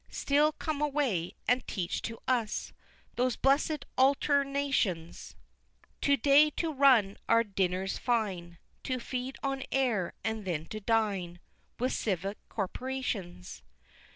Still come away, and teach to us Those blessed alternations To day to run our dinners fine, To feed on air and then to dine With Civic Corporations XX.